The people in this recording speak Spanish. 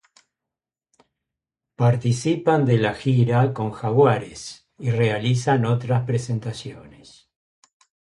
Participan de la gira con Jaguares, y realizan otras presentaciones.